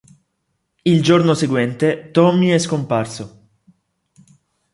Il giorno seguente, Tommy è scomparso.